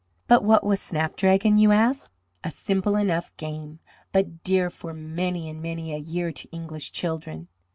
But what was snapdragon, you ask? A simple enough game, but dear for many and many a year to English children.